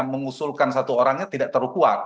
mengusulkan satu orangnya tidak terlalu kuat